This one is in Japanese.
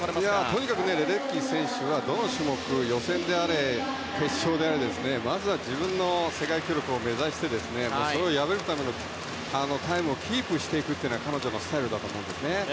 とにかくレデッキー選手はどの種目、予選であれ決勝であれまずは自分の世界記録を目指してそれを破るためのタイムをキープしていくっていうのが彼女のスタイルだと思うんですね。